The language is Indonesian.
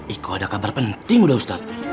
ikau ada kabar penting udah ustaz